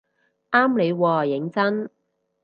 啱你喎認真